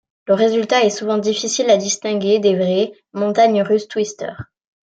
Le résultat est souvent difficile à distinguer des vraies montagnes russes twister.